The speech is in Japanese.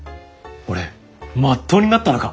俺まっとうになったのか？